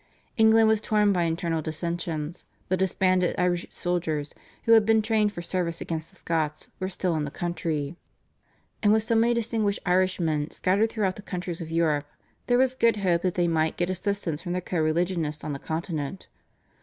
England was torn by internal dissensions; the disbanded Irish soldiers, who had been trained for service against the Scots, were still in the country; and with so many distinguished Irishmen scattered through the countries of Europe there was good hope that they might get assistance from their co religionists on the Continent.